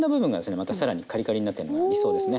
また更にカリカリになってるのが理想ですね。